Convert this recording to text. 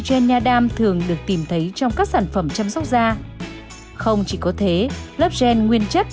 gen nha đam thường được tìm thấy trong các sản phẩm chăm sóc da không chỉ có thế lớp gen nguyên chất